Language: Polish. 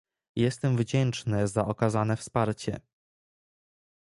Jestem wdzięczny za okazane wsparcie